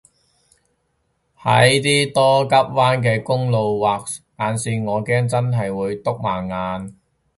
喺啲多急彎嘅公路畫眼線我驚真係會篤盲眼